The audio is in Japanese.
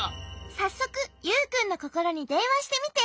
さっそくユウくんのココロにでんわしてみて。